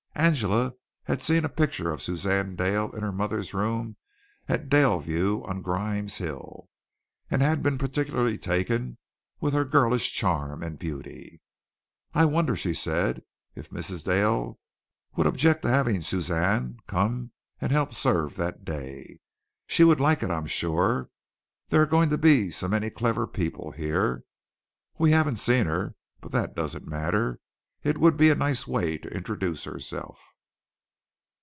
Angela had seen a picture of Suzanne Dale in her mother's room at Daleview on Grimes Hill, and had been particularly taken with her girlish charm and beauty. "I wonder," she said, "if Mrs. Dale would object to having Suzanne come and help serve that day. She would like it, I'm sure, there are going to be so many clever people here. We haven't seen her, but that doesn't matter. It would be a nice way to introduce herself."